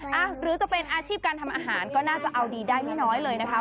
หรือจะเป็นอาชีพการทำอาหารก็น่าจะเอาดีได้ไม่น้อยเลยนะคะ